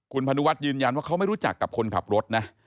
คุณพนุวัฒน์ยืนยันว่าเขาไม่รู้จักกับคนขับรถนะ